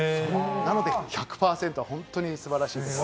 なので１００％は本当に素晴らしいです。